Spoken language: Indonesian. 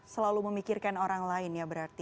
selalu memikirkan orang lain ya berarti